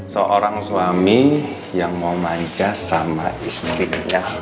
seorang suami yang mau manja sama istrinya